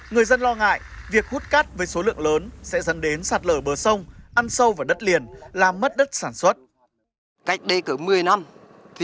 người dân lo ngại việc hút cát với số lượng lớn sẽ dẫn đến sạt lở bờ sông ăn sâu vào đất liền làm mất đất sản xuất